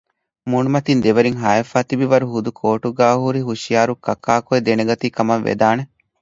މޫނުމަތީން ދެވެރީން ހައިވެފައި ތިބި ވަރު ހުދުކޯޓުގައި ހުރި ހުޝިޔާރު ކަކާކޮއި ދެނެގަތީ ކަމަށް ވެދާނެ